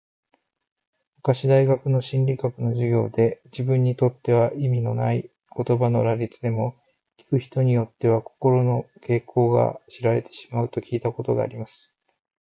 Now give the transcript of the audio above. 昔大学の心理学の授業で、自分にとっては意味のない言葉の羅列でも、聞く人によっては、心の傾向が知られてしまうと聞いたことがあります。